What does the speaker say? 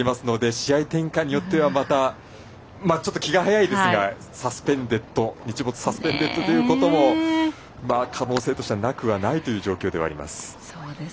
試合展開によってはまた気が早いですが日没サスペンデッドということも可能性としてはなくはないという状況です。